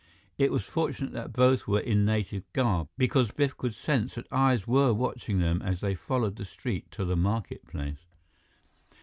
It was fortunate that both were in native garb, because Biff could sense that eyes were watching them as they followed the street to the market place.